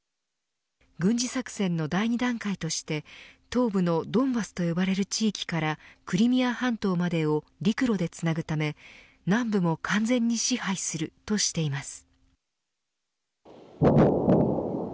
軍事作戦の第２段階として東部のドンバスと呼ばれる地域からクリミア半島までを陸路でつなぐため南部も完全に支配するとしています。